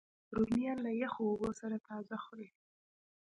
رومیان له یخو اوبو سره تازه خوري